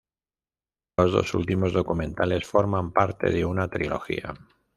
Los dos últimos documentales forman parte de una trilogía.